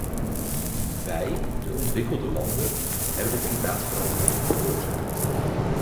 Wij, de ontwikkelde landen, hebben de klimaatverandering veroorzaakt.